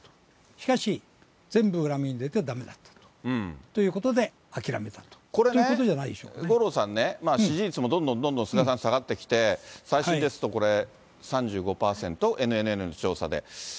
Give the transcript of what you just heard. しかし、全部裏目に出てだめだったということで諦めたということじゃないこれね、五郎さんね、支持率もどんどんどんどん菅さん、下がってきて、最新ですとこれ、３５％、ＮＮＮの調査で。